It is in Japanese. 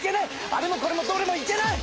あれもこれもどれもいけない！